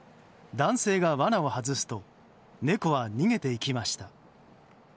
男性が罠を外すと猫は逃げていきました。